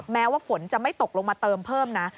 แม้ว่าฝนจะไม่ตกลงมาเติมเพิ่มนะ